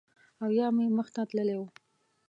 او یا مې مخ ته تللی و